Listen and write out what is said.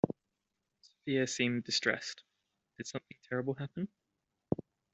Sophia seemed distressed, did something terrible happen?